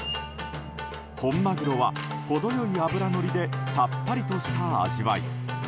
本マグロは程良い脂乗りでさっぱりとした味わい。